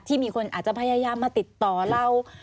มีคนอาจจะพยายามมาติดต่อเรา